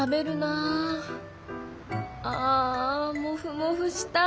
ああモフモフしたい。